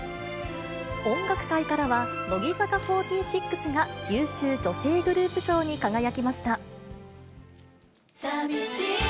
音楽界からは、乃木坂４６が優秀女性グループ賞に輝きました。